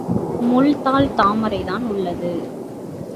முள் தாள் தாமரைதான் உள்ளது.